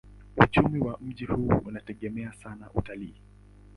Uchumi wa mji huu unategemea sana utalii.